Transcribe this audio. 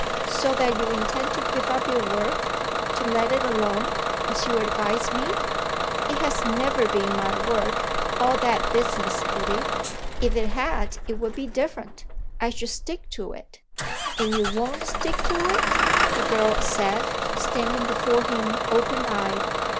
"So that you intend to give up your work to let it alone, as you advise me?" "It has never been my work, all that business, Biddy. If it had it would be different. I should stick to it." "And you won't stick to it?" the girl said, standing before him open eyed.